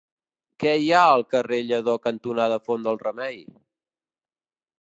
Què hi ha al carrer Lledó cantonada Font del Remei?